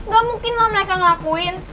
gak mungkin lah mereka ngelakuin